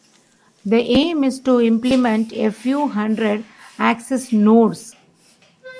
The aim is to implement a few hundred access nodes.